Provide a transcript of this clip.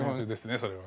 それは。